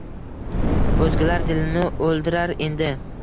Oʻzgalar dilini oʻldirar endi.